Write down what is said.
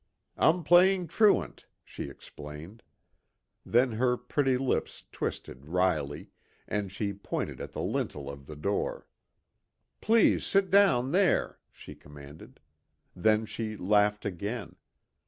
"I'm playing truant," she explained. Then her pretty lips twisted wryly, and she pointed at the lintel of the door. "Please sit down there," she commanded. Then she laughed again.